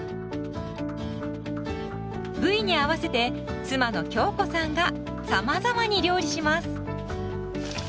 部位に合わせて妻の京子さんがさまざまに料理します。